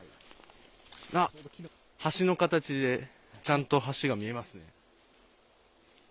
あっ、橋の形で、ちゃんと橋が見えますね。